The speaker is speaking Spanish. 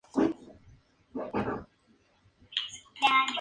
Fue miembro de Kiss Five y ex líder de After School.